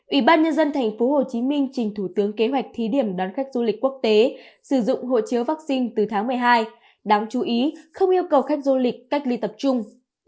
ủy ban nhân dân thành phố hồ chí minh trình thủ tướng kế hoạch thí điểm đón khách du lịch quốc tế sử dụng hộ chiếu vaccine từ tháng một mươi hai đáng chú ý không yêu cầu khách du lịch cách ly tập trung